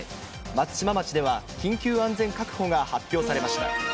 松島町では、緊急安全確保が発表されました。